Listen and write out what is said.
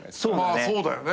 まあそうだよね。